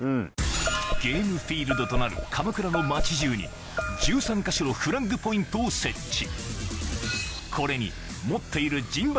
ゲームフィールドとなる鎌倉の街じゅうに１３か所のフラッグポイントを設置